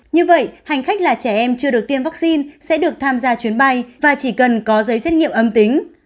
như vậy hành khách là trẻ em chưa được tiêm vaccine sẽ được tham gia chuyến bay và chỉ cần có giấy xét nghiệm âm tính